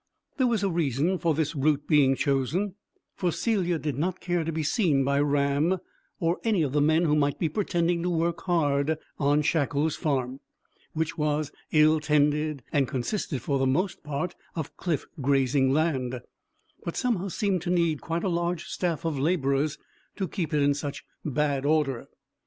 There was a reason for this route being chosen, for Celia did not care to be seen by Ram, or any of the men who might be pretending to work hard on Shackle's farm, which was ill tended, and consisted for the most part of cliff grazing land; but somehow seemed to need quite a large staff of labourers to keep it in such bad order.